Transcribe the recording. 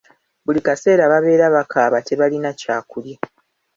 Buli kaseera babeera bakaaba tebalina kyakulya.